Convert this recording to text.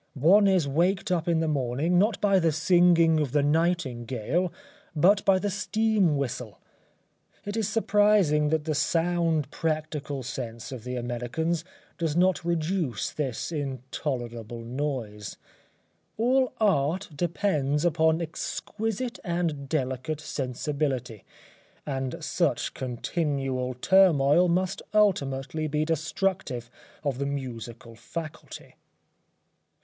One is waked up in the morning, not by the singing of the nightingale, but by the steam whistle. It is surprising that the sound practical sense of the Americans does not reduce this intolerable noise. All Art depends upon exquisite and delicate sensibility, and such continual turmoil must ultimately be destructive of the musical faculty.